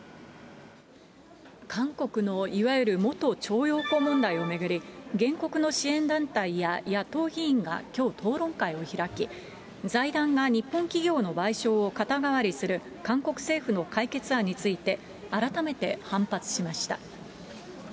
韓国のいわゆる元徴用工問題を巡り、原告の支援団体や野党議員がきょう、討論会を開き、財団が日本企業の賠償を肩代わりする韓国政府の解決案について、改めて反発しました。